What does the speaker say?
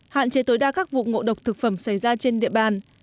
hạn chế tối đa các vụ ngộ độc thực phẩm xảy ra trên địa bàn